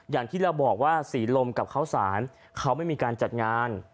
อย่างที่เราบอกว่าศรีลมกับข้าวสารเขาไม่มีการจัดงาน